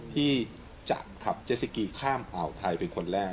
ที่จะขับเจสสกีข้ามอ่าวไทยเป็นคนแรก